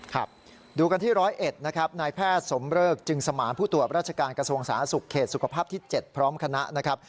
ครับดูกันที่ร้อยเอ็ดนะครับนายแพทย์สมเริกจึงสมานผู้ตรวจราชการกระทรวงสาธารณสุขเขตสุขภาพที่๗พร้อมคณะนะครับ